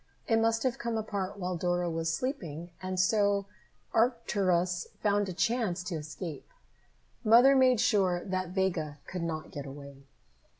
It must have come apart while Dora was sleeping, and so Arcturus found a chance to escape. Mother made sure that Vega could not get away.